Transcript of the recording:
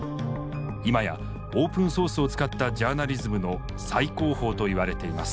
今やオープンソースを使ったジャーナリズムの最高峰といわれています。